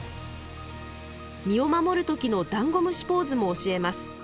身を守る時のダンゴムシポーズも教えます。